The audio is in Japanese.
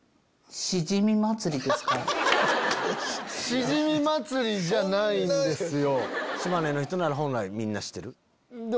しじみ祭りじゃないんですよ。